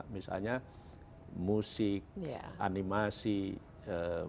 misalnya musik animasi movie